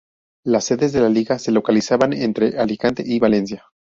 Las sedes de la liga se localizaban entre Alicante y Valencia.